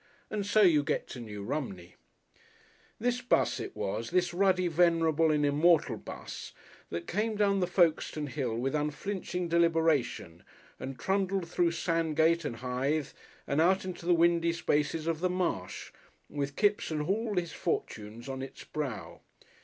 And so you get to New Romney. This 'bus it was, this ruddy, venerable and immortal 'bus, that came down the Folkestone hill with unflinching deliberation, and trundled through Sandgate and Hythe, and out into the windy spaces of the Marsh, with Kipps and all his fortunes on its brow.